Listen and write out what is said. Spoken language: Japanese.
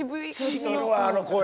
しみるわあの声。